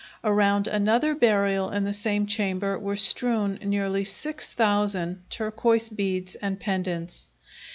Around another burial in the same chamber were strewn nearly six thousand turquoise beads and pendants.